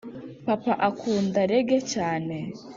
papa akunda reggae cyane